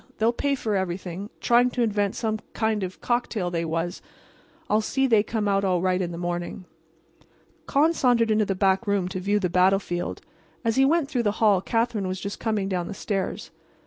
They'll pay for everything. Trying to invent some new kind of cocktail, they was. I'll see they come out all right in the morning." Con sauntered into the back room to view the battlefield. As he went through the hall Katherine was just coming down the stairs.